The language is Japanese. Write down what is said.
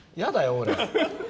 俺。